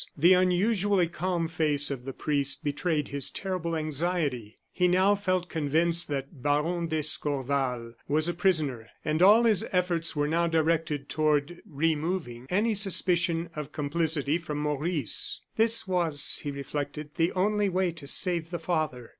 The unusually calm face of the priest betrayed his terrible anxiety. He now felt convinced that Baron d'Escorval was a prisoner, and all his efforts were now directed toward removing any suspicion of complicity from Maurice. "This was," he reflected, "the only way to save the father."